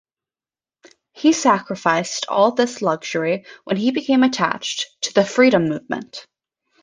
He sacrificed all this luxury when he became attached to the Freedom Movement.